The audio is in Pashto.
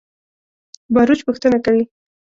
باروچ پوښتنه کوي.